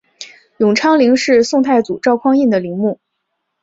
永昌陵是宋太祖赵匡胤的陵墓。